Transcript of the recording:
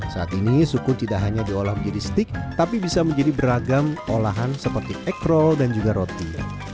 saat ini sukun tidak hanya diolah menjadi stik tapi bisa menjadi beragam olahan seperti ekrol dan juga roti